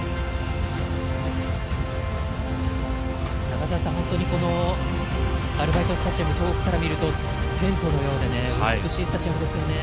中澤さん、本当にアルバイトスタジアム遠くから見るとテントのようで美しいスタジアムですね。